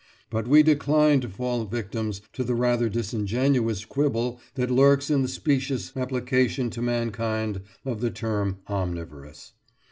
But we decline to fall victims to the rather disingenuous quibble that lurks in the specious application to mankind of the term "omnivorous."